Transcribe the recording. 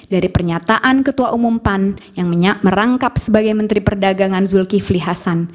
dari pernyataan ketua umum pan yang merangkap sebagai menteri perdagangan zulkifli hasan